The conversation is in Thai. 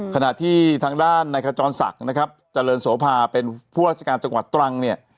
ขณะที่ทางด้านในขจรศักดิ์นะครับเจริญโสภาเป็นผู้ราชการจังหวัดตรังเนี่ย